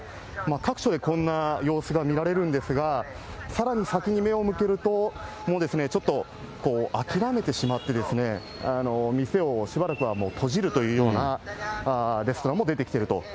各所でこんな様子が見られるんですが、さらに先に目を向けると、もうですね、ちょっと諦めてしまってですね、店をしばらくは閉じるというようなレストランも出てきていると。